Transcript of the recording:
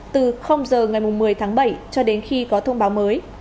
từ giờ ngày một mươi tháng bảy cho đến khi có thông báo mới